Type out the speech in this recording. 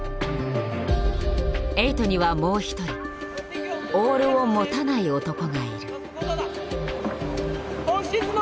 エイトにはもう一人「オールを持たない男」がいる。